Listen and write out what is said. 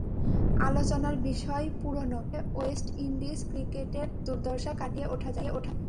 আলোচনার বিষয় পুরোনো, কীভাবে ওয়েস্ট ইন্ডিজ ক্রিকেটের দুর্দশা কাটিয়ে ওঠা যায়।